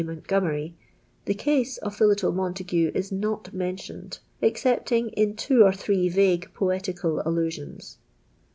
Montgomery, the c;ise of th«' little Montagu is not mentioned, excepting in two or three v.igui poetical allusions.